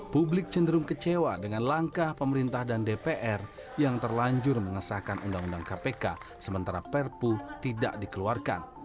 publik cenderung kecewa dengan langkah pemerintah dan dpr yang terlanjur mengesahkan undang undang kpk sementara perpu tidak dikeluarkan